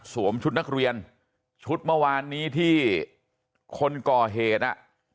ชุดนักเรียนชุดเมื่อวานนี้ที่คนก่อเหตุอ่ะ